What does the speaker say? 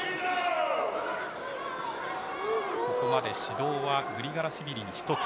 ここまで指導はグリガラシビリに１つ。